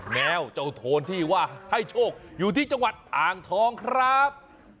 แมวเจ้าโทนที่ว่าให้โชคอยู่ที่จังหวัดอ่างทองครับ